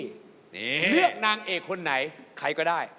เลือกนางเอกคนไหนใครก็ได้